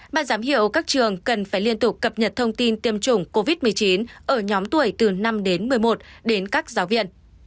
ban giám hiệu các trường cần phải liên tục cập nhật thông tin tiêm chủng covid một mươi chín ở nhóm tuổi từ năm đến một mươi một đến các giáo viên